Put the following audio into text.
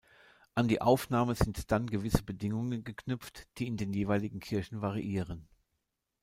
An die Aufnahme sind dann gewisse Bedingungen geknüpft, die in den jeweiligen Kirchen variieren.